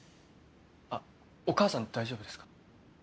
あっお母さん大丈夫ですか？